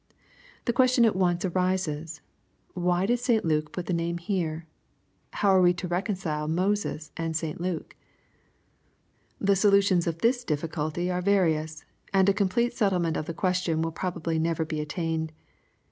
The question at once arises, — Why did St. Luke put the name here ? How are we to reconcile Moses and St. Luke ? The solutions of this difficulty are various, and a complete settlement g( the question vnll probably never be attained.